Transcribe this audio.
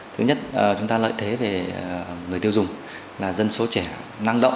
thứ nhất chúng ta lợi thế về người tiêu dùng là dân số trẻ năng động